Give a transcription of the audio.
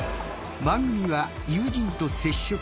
番組は友人と接触。